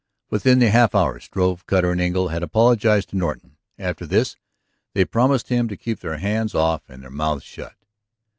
Within the half hour Strove, Cutter, and Engle had apologized to Norton; after this, they promised him to keep their hands off and their mouths shut.